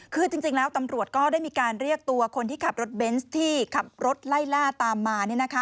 คือจริงแล้วตำรวจก็ได้มีการเรียกตัวคนที่ขับรถเบนส์ที่ขับรถไล่ล่าตามมา